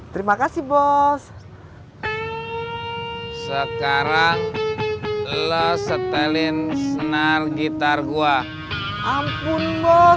terima kasih bos sekarang lo setelin senar gitar gua ampun bos